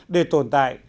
để tồn tại